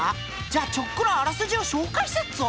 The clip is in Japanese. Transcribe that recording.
じゃあちょっくらあらすじを紹介すっぞ！